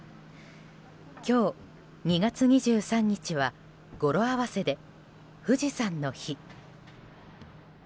今日、２月２３日は語呂合わせで富士山の日。